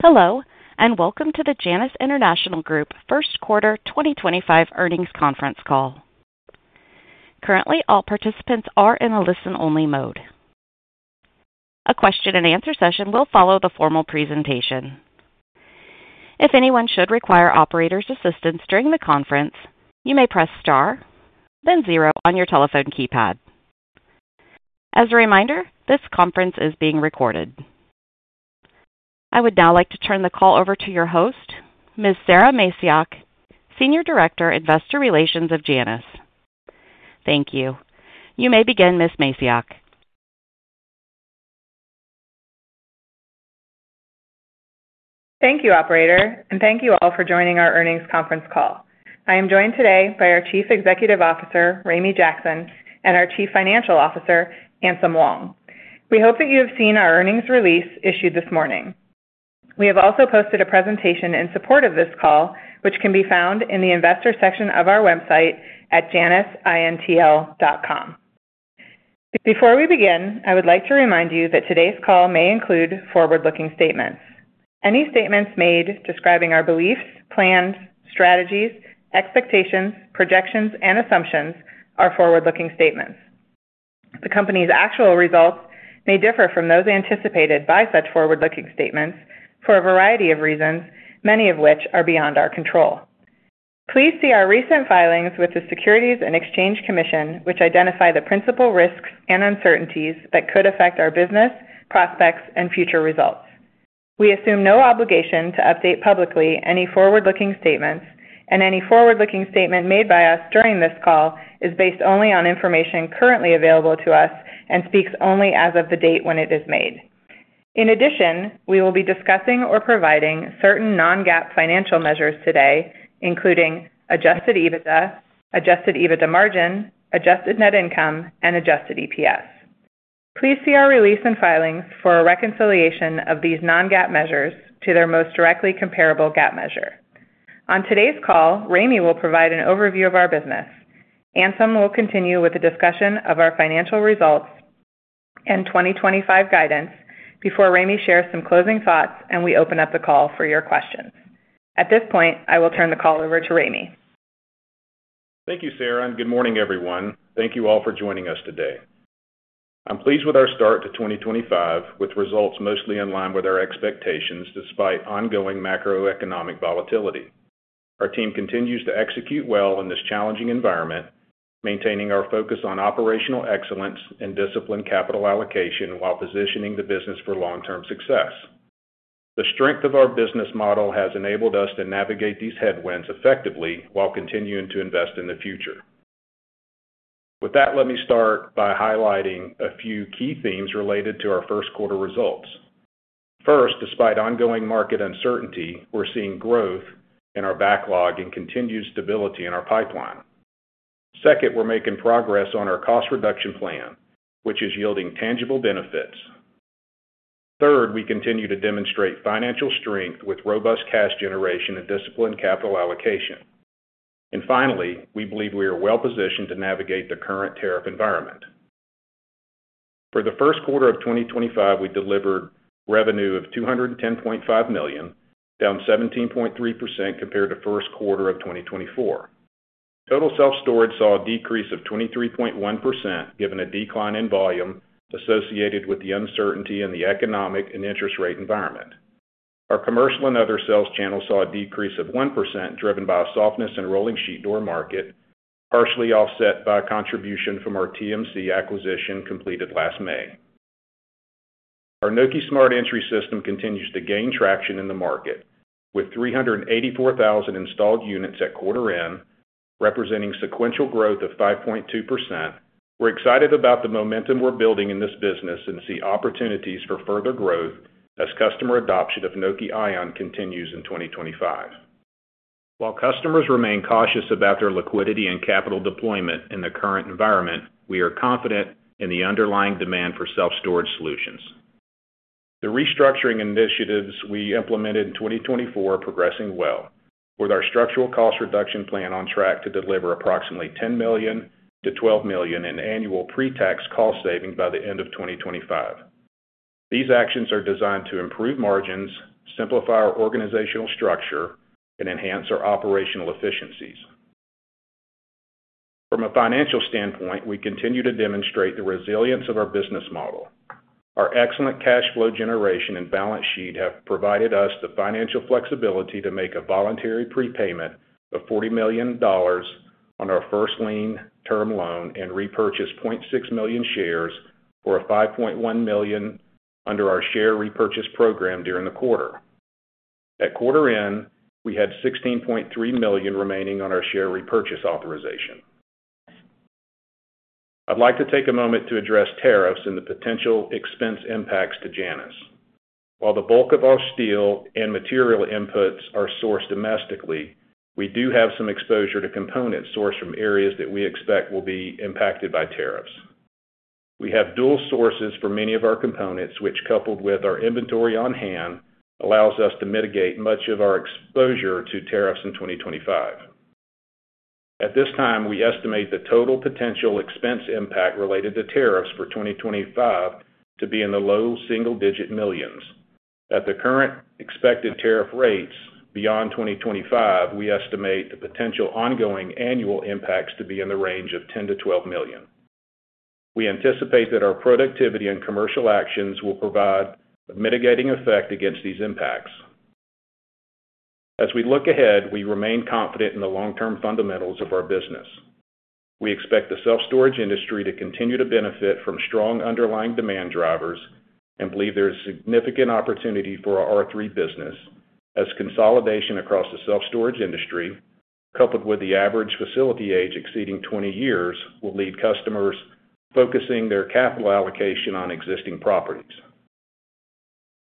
Hello, and welcome to the Janus International Group first quarter 2025 earnings conference call. Currently, all participants are in a listen-only mode. A question-and-answer session will follow the formal presentation. If anyone should require operator assistance during the conference, you may press star, then zero on your telephone keypad. As a reminder, this conference is being recorded. I would now like to turn the call over to your host, Ms. Sara Macioch, Senior Director, Investor Relations of Janus. Thank you. You may begin, Ms. Macioch. Thank you, Operator, and thank you all for joining our earnings conference call. I am joined today by our Chief Executive Officer, Ramey Jackson, and our Chief Financial Officer, Anselm Wong. We hope that you have seen our earnings release issued this morning. We have also posted a presentation in support of this call, which can be found in the investor section of our website at janusintl.com. Before we begin, I would like to remind you that today's call may include forward-looking statements. Any statements made describing our beliefs, plans, strategies, expectations, projections, and assumptions are forward-looking statements. The company's actual results may differ from those anticipated by such forward-looking statements for a variety of reasons, many of which are beyond our control. Please see our recent filings with the Securities and Exchange Commission, which identify the principal risks and uncertainties that could affect our business, prospects, and future results. We assume no obligation to update publicly any forward-looking statements, and any forward-looking statement made by us during this call is based only on information currently available to us and speaks only as of the date when it is made. In addition, we will be discussing or providing certain non-GAAP financial measures today, including adjusted EBITDA, adjusted EBITDA margin, adjusted net income, and adjusted EPS. Please see our release and filings for a reconciliation of these non-GAAP measures to their most directly comparable GAAP measure. On today's call, Ramey will provide an overview of our business. Anselm will continue with a discussion of our financial results and 2025 guidance before Ramey shares some closing thoughts and we open up the call for your questions. At this point, I will turn the call over to Ramey. Thank you, Sara, and good morning, everyone. Thank you all for joining us today. I'm pleased with our start to 2025, with results mostly in line with our expectations despite ongoing macroeconomic volatility. Our team continues to execute well in this challenging environment, maintaining our focus on operational excellence and disciplined capital allocation while positioning the business for long-term success. The strength of our business model has enabled us to navigate these headwinds effectively while continuing to invest in the future. With that, let me start by highlighting a few key themes related to our first quarter results. First, despite ongoing market uncertainty, we're seeing growth in our backlog and continued stability in our pipeline. Second, we're making progress on our cost reduction plan, which is yielding tangible benefits. Third, we continue to demonstrate financial strength with robust cash generation and disciplined capital allocation. Finally, we believe we are well positioned to navigate the current tariff environment. For the first quarter of 2025, we delivered revenue of $210.5 million, down 17.3% compared to the first quarter of 2024. Total self-storage saw a decrease of 23.1% given a decline in volume associated with the uncertainty in the economic and interest rate environment. Our commercial and other sales channels saw a decrease of 1% driven by a softness in the rolling steel door market, partially offset by contribution from our TMC acquisition completed last May. Our Nokē Smart Entry system continues to gain traction in the market, with 384,000 installed units at quarter-end, representing sequential growth of 5.2%. We are excited about the momentum we are building in this business and see opportunities for further growth as customer adoption of Nokē Ion continues in 2025. While customers remain cautious about their liquidity and capital deployment in the current environment, we are confident in the underlying demand for self-storage solutions. The restructuring initiatives we implemented in 2024 are progressing well, with our structural cost reduction plan on track to deliver approximately $10 million-$12 million in annual pre-tax cost savings by the end of 2025. These actions are designed to improve margins, simplify our organizational structure, and enhance our operational efficiencies. From a financial standpoint, we continue to demonstrate the resilience of our business model. Our excellent cash flow generation and balance sheet have provided us the financial flexibility to make a voluntary prepayment of $40 million on our first lien term loan and repurchase 0.6 million shares for $5.1 million under our share repurchase program during the quarter. At quarter-end, we had $16.3 million remaining on our share repurchase authorization. I'd like to take a moment to address tariffs and the potential expense impacts to Janus. While the bulk of our steel and material inputs are sourced domestically, we do have some exposure to components sourced from areas that we expect will be impacted by tariffs. We have dual sources for many of our components, which, coupled with our inventory on hand, allows us to mitigate much of our exposure to tariffs in 2025. At this time, we estimate the total potential expense impact related to tariffs for 2025 to be in the low single-digit millions. At the current expected tariff rates beyond 2025, we estimate the potential ongoing annual impacts to be in the range of $10 million-$12 million. We anticipate that our productivity and commercial actions will provide a mitigating effect against these impacts. As we look ahead, we remain confident in the long-term fundamentals of our business. We expect the self-storage industry to continue to benefit from strong underlying demand drivers and believe there is significant opportunity for our R3 business, as consolidation across the self-storage industry, coupled with the average facility age exceeding 20 years, will lead customers focusing their capital allocation on existing properties.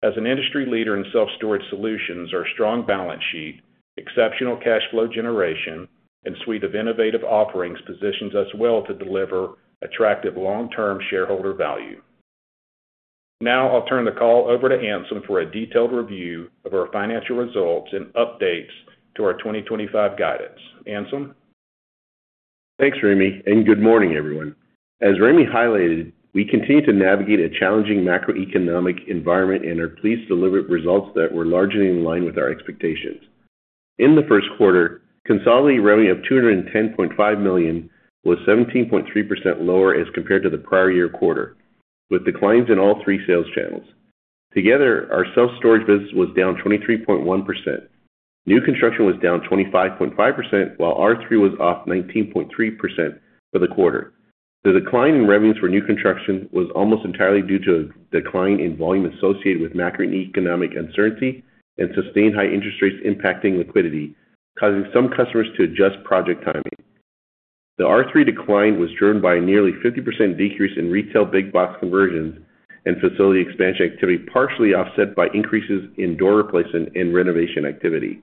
As an industry leader in self-storage solutions, our strong balance sheet, exceptional cash flow generation, and suite of innovative offerings position us well to deliver attractive long-term shareholder value. Now, I'll turn the call over to Anselm for a detailed review of our financial results and updates to our 2025 guidance. Anselm? Thanks, Ramey, and good morning, everyone. As Ramey highlighted, we continue to navigate a challenging macroeconomic environment and are pleased to deliver results that were largely in line with our expectations. In the first quarter, consolidated revenue of $210.5 million was 17.3% lower as compared to the prior year quarter, with declines in all three sales channels. Together, our self-storage business was down 23.1%. New construction was down 25.5%, while R3 was off 19.3% for the quarter. The decline in revenues for new construction was almost entirely due to a decline in volume associated with macroeconomic uncertainty and sustained high interest rates impacting liquidity, causing some customers to adjust project timing. The R3 decline was driven by a nearly 50% decrease in retail big-box conversions and facility expansion activity, partially offset by increases in door replacement and renovation activity.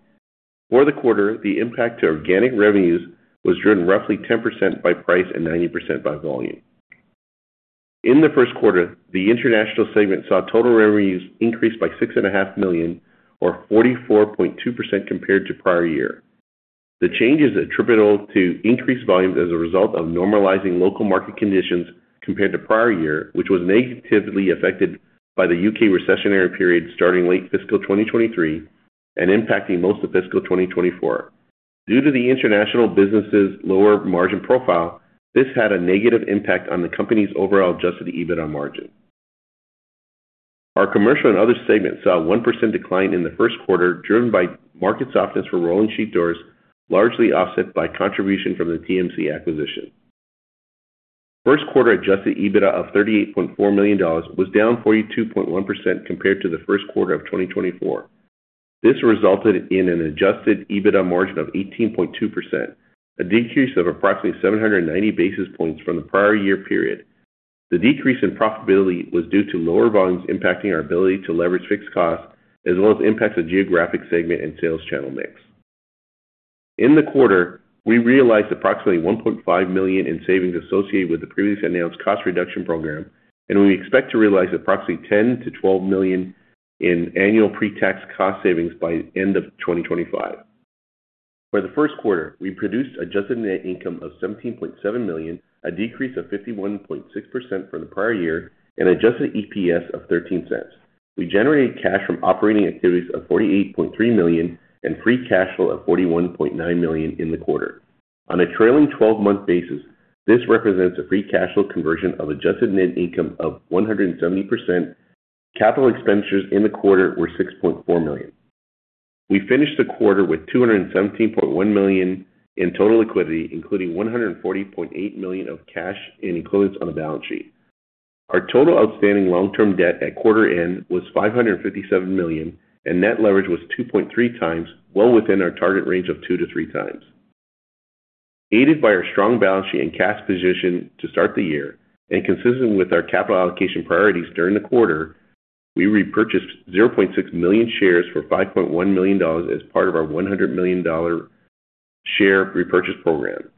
For the quarter, the impact to organic revenues was driven roughly 10% by price and 90% by volume. In the first quarter, the international segment saw total revenues increase by $6.5 million, or 44.2% compared to prior year. The change is attributable to increased volumes as a result of normalizing local market conditions compared to prior year, which was negatively affected by the U.K. recessionary period starting late fiscal 2023 and impacting most of fiscal 2024. Due to the international business's lower margin profile, this had a negative impact on the company's overall adjusted EBITDA margin. Our commercial and other segments saw a 1% decline in the first quarter, driven by market softness for rolling steel doors, largely offset by contribution from the TMC acquisition. First quarter adjusted EBITDA of $38.4 million was down 42.1% compared to the first quarter of 2024. This resulted in an adjusted EBITDA margin of 18.2%, a decrease of approximately 790 basis points from the prior year period. The decrease in profitability was due to lower volumes impacting our ability to leverage fixed costs, as well as impacts of geographic segment and sales channel mix. In the quarter, we realized approximately $1.5 million in savings associated with the previously announced cost reduction program, and we expect to realize approximately $10-$12 million in annual pre-tax cost savings by the end of 2025. For the first quarter, we produced adjusted net income of $17.7 million, a decrease of 51.6% from the prior year, and adjusted EPS of $0.13. We generated cash from operating activities of $48.3 million and free cash flow of $41.9 million in the quarter. On a trailing 12-month basis, this represents a free cash flow conversion of adjusted net income of 170%. Capital expenditures in the quarter were $6.4 million. We finished the quarter with $217.1 million in total liquidity, including $140.8 million of cash and equivalents on the balance sheet. Our total outstanding long-term debt at quarter-end was $557 million, and net leverage was 2.3 times, well within our target range of 2-3 times. Aided by our strong balance sheet and cash position to start the year, and consistent with our capital allocation priorities during the quarter, we repurchased 0.6 million shares for $5.1 million as part of our $100 million share repurchase program.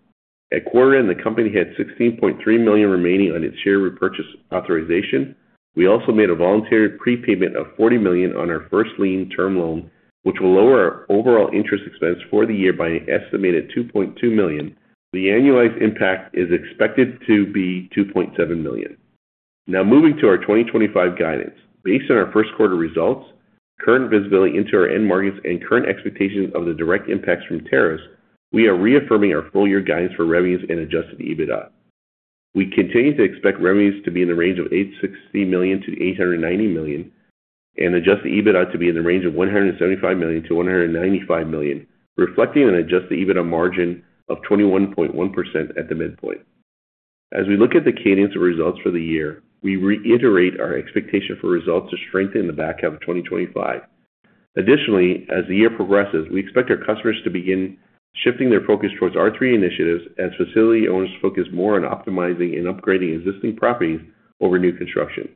At quarter-end, the company had $16.3 million remaining on its share repurchase authorization. We also made a voluntary prepayment of $40 million on our first lien term loan, which will lower our overall interest expense for the year by an estimated $2.2 million. The annualized impact is expected to be $2.7 million. Now, moving to our 2025 guidance. Based on our first quarter results, current visibility into our end markets, and current expectations of the direct impacts from tariffs, we are reaffirming our full-year guidance for revenues and adjusted EBITDA. We continue to expect revenues to be in the range of $860 million-$890 million and adjusted EBITDA to be in the range of $175 million-$195 million, reflecting an adjusted EBITDA margin of 21.1% at the midpoint. As we look at the cadence of results for the year, we reiterate our expectation for results to strengthen the back half of 2025. Additionally, as the year progresses, we expect our customers to begin shifting their focus towards R3 initiatives as facility owners focus more on optimizing and upgrading existing properties over new construction.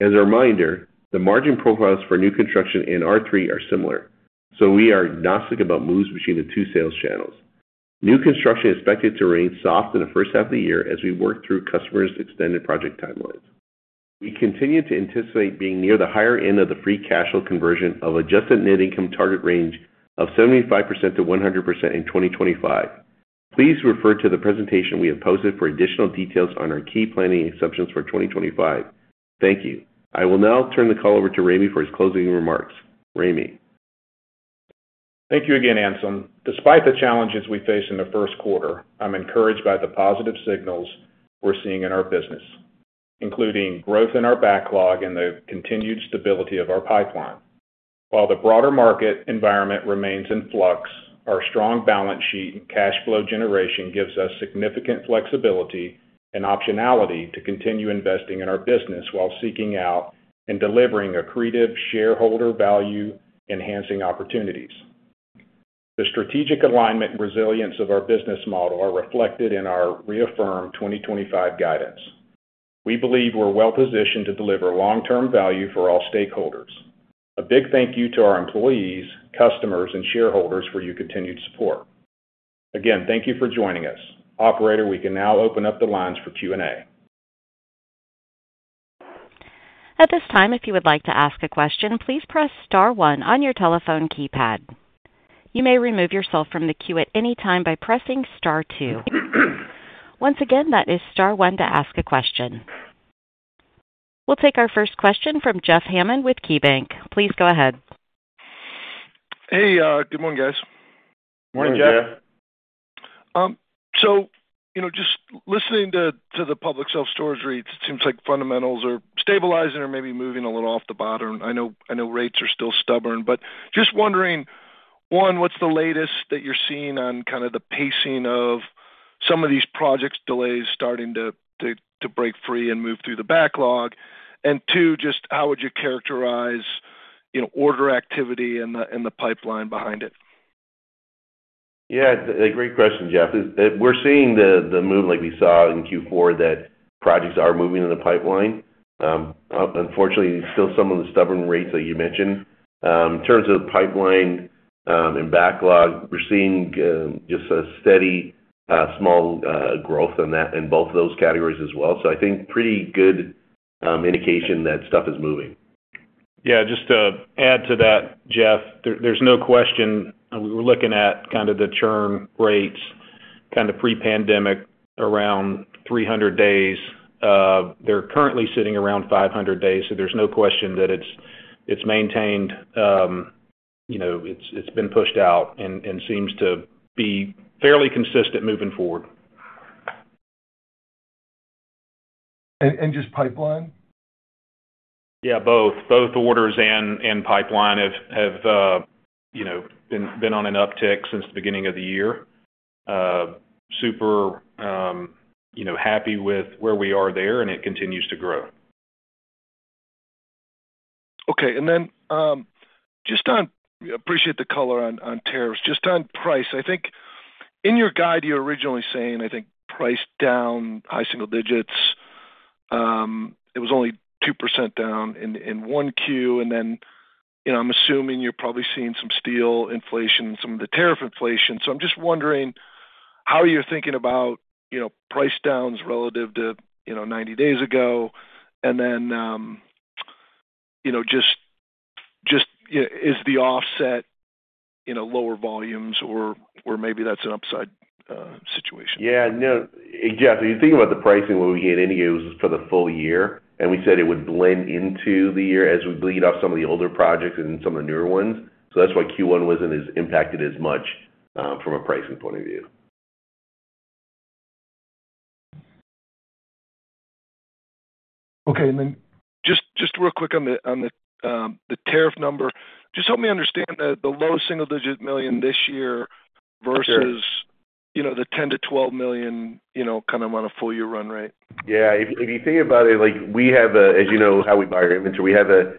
As a reminder, the margin profiles for new construction and R3 are similar, so we are agnostic about moves between the two sales channels. New construction is expected to remain soft in the first half of the year as we work through customers' extended project timelines. We continue to anticipate being near the higher end of the free cash flow conversion of adjusted net income target range of 75%-100% in 2025. Please refer to the presentation we have posted for additional details on our key planning exceptions for 2025. Thank you. I will now turn the call over to Ramey for his closing remarks. Ramey. Thank you again, Anselm. Despite the challenges we face in the first quarter, I'm encouraged by the positive signals we're seeing in our business, including growth in our backlog and the continued stability of our pipeline. While the broader market environment remains in flux, our strong balance sheet and cash flow generation give us significant flexibility and optionality to continue investing in our business while seeking out and delivering accretive shareholder value-enhancing opportunities. The strategic alignment and resilience of our business model are reflected in our reaffirmed 2025 guidance. We believe we're well positioned to deliver long-term value for all stakeholders. A big thank you to our employees, customers, and shareholders for your continued support. Again, thank you for joining us. Operator, we can now open up the lines for Q&A. At this time, if you would like to ask a question, please press star one on your telephone keypad. You may remove yourself from the queue at any time by pressing star two. Once again, that is star one to ask a question. We'll take our first question from Jeff Hammond with KeyBanc. Please go ahead. Hey, good morning, guys. Morning, Jeff. Morning, Jeff. Just listening to the public self-storage rates, it seems like fundamentals are stabilizing or maybe moving a little off the bottom. I know rates are still stubborn, but just wondering, one, what's the latest that you're seeing on kind of the pacing of some of these project delays starting to break free and move through the backlog? And two, just how would you characterize order activity and the pipeline behind it? Yeah, great question, Jeff. We're seeing the movement like we saw in Q4 that projects are moving in the pipeline. Unfortunately, still some of the stubborn rates that you mentioned. In terms of pipeline and backlog, we're seeing just a steady small growth in both of those categories as well. I think pretty good indication that stuff is moving. Yeah, just to add to that, Jeff, there's no question we're looking at kind of the churn rates kind of pre-pandemic around 300 days. They're currently sitting around 500 days, so there's no question that it's maintained. It's been pushed out and seems to be fairly consistent moving forward. Just pipeline? Yeah, both. Both orders and pipeline have been on an uptick since the beginning of the year. Super happy with where we are there, and it continues to grow. Okay. And then just on—appreciate the color on tariffs. Just on price, I think in your guide, you were originally saying, I think, price down, high single digits. It was only 2% down in one Q. I'm assuming you're probably seeing some steel inflation and some of the tariff inflation. I'm just wondering how you're thinking about price downs relative to 90 days ago. And then just is the offset lower volumes, or maybe that's an upside situation? Yeah, no, exactly. You think about the pricing where we get end users for the full year, and we said it would blend into the year as we bleed off some of the older projects and some of the newer ones. That is why Q1 was not as impacted as much from a pricing point of view. Okay. And then just real quick on the tariff number, just help me understand the low single digit million this year versus the $10 million-$12 million kind of on a full-year run rate. Yeah. If you think about it, we have a—as you know how we buy our inventory, we have a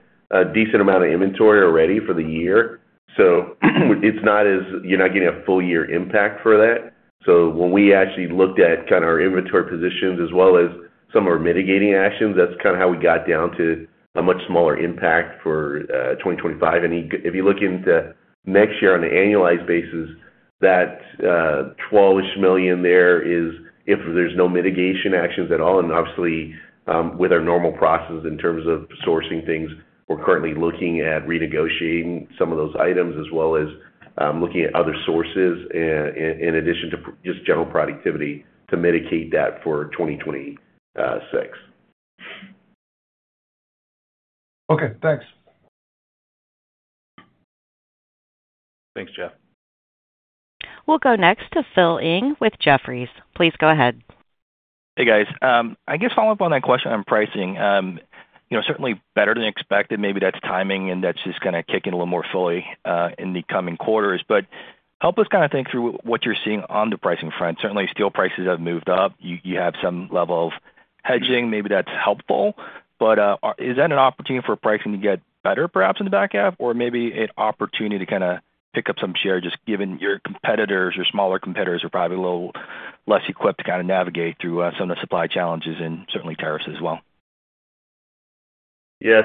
decent amount of inventory already for the year. It is not as—you are not getting a full-year impact for that. When we actually looked at kind of our inventory positions as well as some of our mitigating actions, that is kind of how we got down to a much smaller impact for 2025. If you look into next year on an annualized basis, that $12 million there is if there are no mitigation actions at all. Obviously, with our normal processes in terms of sourcing things, we are currently looking at renegotiating some of those items as well as looking at other sources in addition to just general productivity to mitigate that for 2026. Okay. Thanks. Thanks, Jeff. We'll go next to Phil Ng with Jefferies. Please go ahead. Hey, guys. I guess follow up on that question on pricing. Certainly better than expected. Maybe that's timing, and that's just kind of kicking a little more fully in the coming quarters. Help us kind of think through what you're seeing on the pricing front. Certainly, steel prices have moved up. You have some level of hedging. Maybe that's helpful. Is that an opportunity for pricing to get better, perhaps, in the back half? Maybe an opportunity to kind of pick up some share just given your competitors, your smaller competitors are probably a little less equipped to kind of navigate through some of the supply challenges and certainly tariffs as well? Yeah.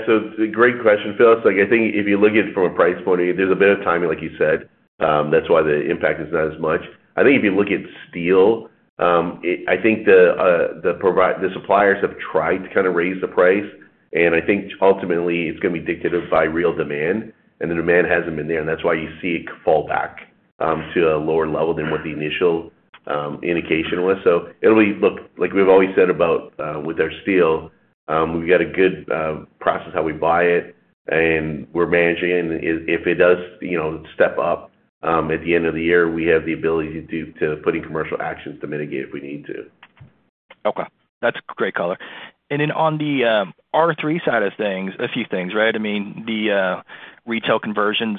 Great question, Phil. I think if you look at it from a price point of view, there's a bit of timing, like you said. That's why the impact is not as much. I think if you look at steel, the suppliers have tried to kind of raise the price. I think ultimately, it's going to be dictated by real demand. The demand hasn't been there. That's why you see it fall back to a lower level than what the initial indication was. It'll be—look, like we've always said about our steel, we've got a good process how we buy it. We're managing it. If it does step up at the end of the year, we have the ability to put in commercial actions to mitigate if we need to. Okay. That's great color. Then on the R3 side of things, a few things, right? I mean, the retail conversions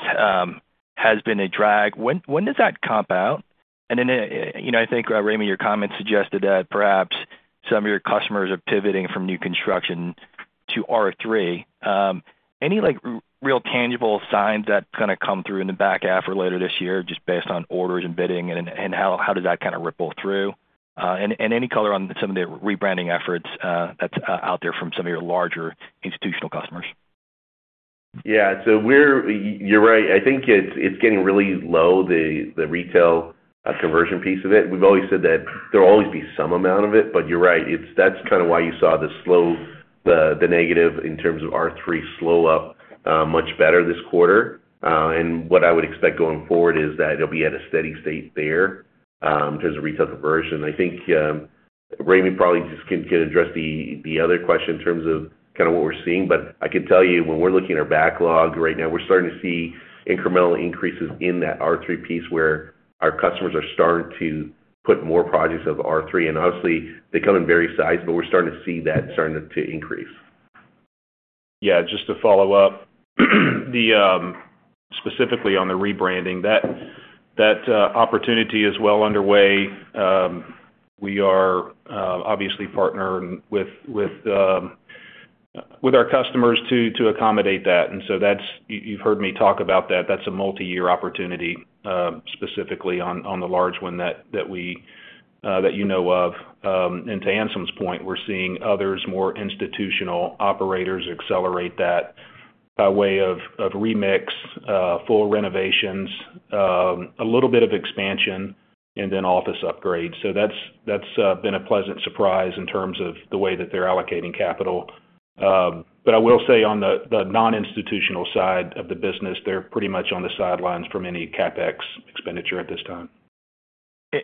has been a drag. When does that comp out? I think, Ramey, your comment suggested that perhaps some of your customers are pivoting from new construction to R3. Any real tangible signs that's going to come through in the back half or later this year, just based on orders and bidding, and how does that kind of ripple through? Any color on some of the rebranding efforts that's out there from some of your larger institutional customers? Yeah. So you're right. I think it's getting really low, the retail conversion piece of it. We've always said that there'll always be some amount of it. You're right. That's kind of why you saw the negative in terms of R3 slow up much better this quarter. What I would expect going forward is that it'll be at a steady state there because of retail conversion. I think Ramey probably just can address the other question in terms of kind of what we're seeing. I can tell you, when we're looking at our backlog right now, we're starting to see incremental increases in that R3 piece where our customers are starting to put more projects of R3. Obviously, they come in various sizes, but we're starting to see that starting to increase. Yeah. Just to follow up, specifically on the rebranding, that opportunity is well underway. We are obviously partnering with our customers to accommodate that. You have heard me talk about that. That is a multi-year opportunity, specifically on the large one that you know of. To Anselm's point, we are seeing others, more institutional operators, accelerate that by way of remix, full renovations, a little bit of expansion, and then office upgrades. That has been a pleasant surprise in terms of the way that they are allocating capital. I will say on the non-institutional side of the business, they are pretty much on the sidelines from any CapEx expenditure at this time.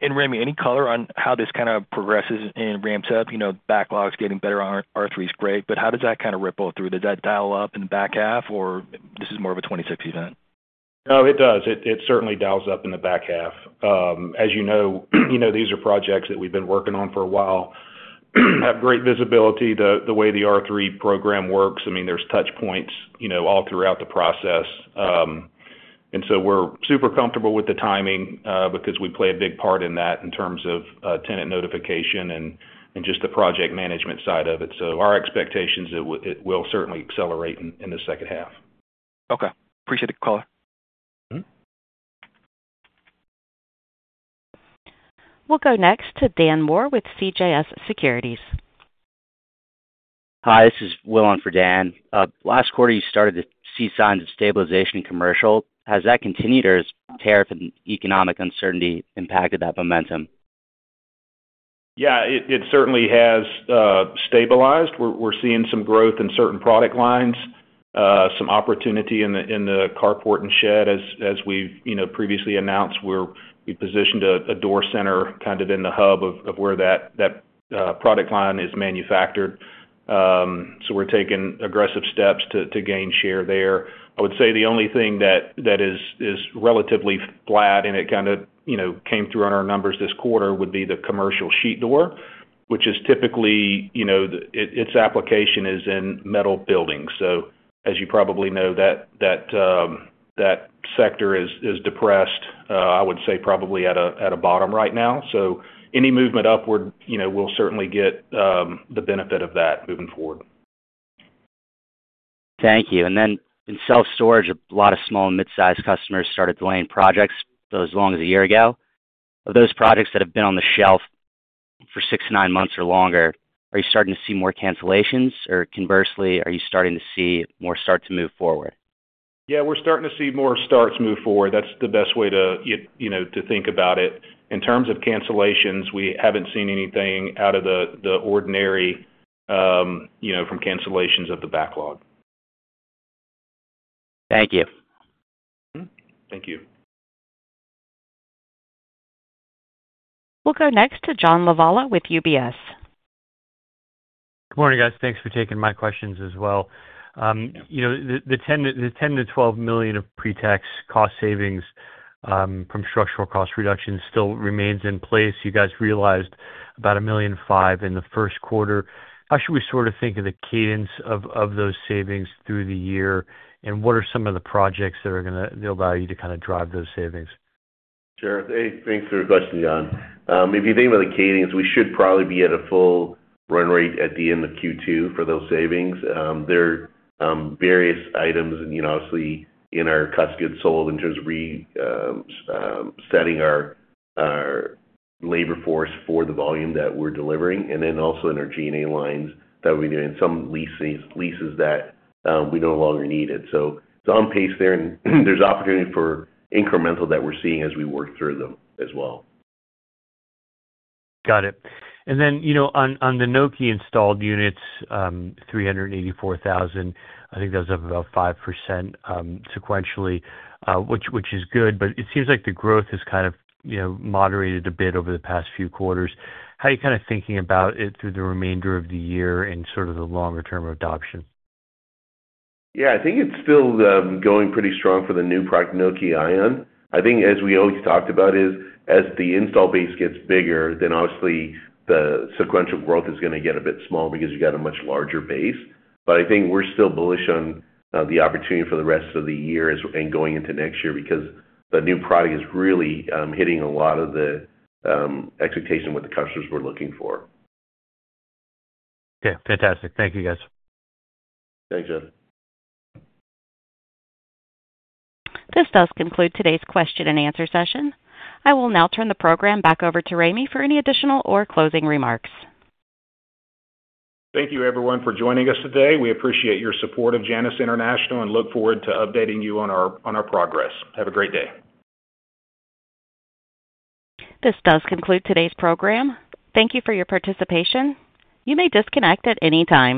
Ramy, any color on how this kind of progresses and ramps up? Backlog is getting better, R3 is great. How does that kind of ripple through? Does that dial up in the back half, or this is more of a 2026 event? No, it does. It certainly dials up in the back half. As you know, these are projects that we've been working on for a while. Have great visibility to the way the R3 program works. I mean, there's touch points all throughout the process. And so we're super comfortable with the timing because we play a big part in that in terms of tenant notification and just the project management side of it. Our expectations will certainly accelerate in the second half. Okay. Appreciate the color. We'll go next to Dan Moore with CJS Securities. Hi. This is Will on for Dan. Last quarter, you started to see signs of stabilization in commercial. Has that continued, or has tariff and economic uncertainty impacted that momentum? Yeah, it certainly has stabilized. We're seeing some growth in certain product lines, some opportunity in the carport and shed. As we've previously announced, we've positioned a door center kind of in the hub of where that product line is manufactured. We're taking aggressive steps to gain share there. I would say the only thing that is relatively flat, and it kind of came through on our numbers this quarter, would be the commercial sheet door, which is typically its application is in metal buildings. As you probably know, that sector is depressed, I would say probably at a bottom right now. Any movement upward, we'll certainly get the benefit of that moving forward. Thank you. In self-storage, a lot of small and mid-sized customers started delaying projects as long as a year ago. Of those projects that have been on the shelf for six to nine months or longer, are you starting to see more cancellations? Or conversely, are you starting to see more starts to move forward? Yeah, we're starting to see more starts move forward. That's the best way to think about it. In terms of cancellations, we haven't seen anything out of the ordinary from cancellations of the backlog. Thank you. Thank you. We'll go next to John Lovallo with UBS. Good morning, guys. Thanks for taking my questions as well. The $10 million-$12 million of pre-tax cost savings from structural cost reductions still remains in place. You guys realized about $1.5 million in the first quarter. How should we sort of think of the cadence of those savings through the year? What are some of the projects that are going to allow you to kind of drive those savings? Sure. Thanks for your question, John. If you think about the cadence, we should probably be at a full run rate at the end of Q2 for those savings. There are various items, obviously, in our cuts, goods sold in terms of resetting our labor force for the volume that we're delivering. Then also in our G&A lines that we're doing some leases that we no longer needed. It is on pace there. There is opportunity for incremental that we're seeing as we work through them as well. Got it. And then on the Nokē installed units, 384,000, I think that was up about 5% sequentially, which is good. But it seems like the growth has kind of moderated a bit over the past few quarters. How are you kind of thinking about it through the remainder of the year and sort of the longer-term adoption? Yeah. I think it's still going pretty strong for the new product, Nokē Ion. I think as we always talked about, as the install base gets bigger, then obviously the sequential growth is going to get a bit small because you've got a much larger base. I think we're still bullish on the opportunity for the rest of the year and going into next year because the new product is really hitting a lot of the expectation what the customers were looking for. Okay. Fantastic. Thank you, guys. Thanks, John. This does conclude today's question and answer session. I will now turn the program back over to Ramey for any additional or closing remarks. Thank you, everyone, for joining us today. We appreciate your support of Janus International and look forward to updating you on our progress. Have a great day. This does conclude today's program. Thank you for your participation. You may disconnect at any time.